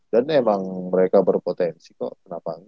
dan emang mereka berpotensi kok kenapa engga